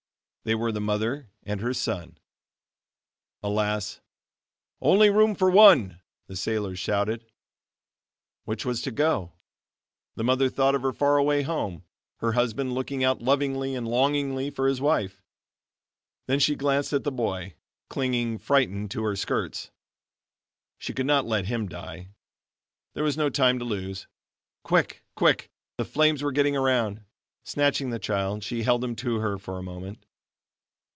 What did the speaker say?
They were the mother and her son. Alas! "Only room for one," the sailors shouted. Which was to go? The mother thought of her far away home, her husband looking out lovingly and longingly for his wife. Then she glanced at the boy, clinging frightened to her skirts. She could not let him die. There was no time to lose. Quick! quick! The flames were getting around. Snatching the child, she held him to her a moment.